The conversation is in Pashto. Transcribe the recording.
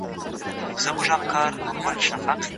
راتلونکی نسل زموږ پر پرېکړو ولاړ دی.